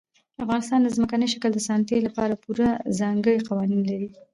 افغانستان د ځمکني شکل د ساتنې لپاره پوره او ځانګړي قوانین لري.